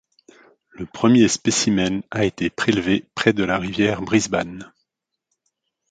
Le premier spécimen a été prélevé près de la rivière Brisbane.